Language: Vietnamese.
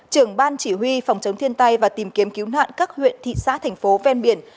trưởng ban chỉ huy phòng chống thiên tai và tìm kiếm cứu nạn các huyện thị xã thành phố ven biển